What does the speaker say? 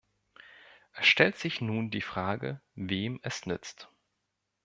Es stellt sich nun die Frage, wem es nützt.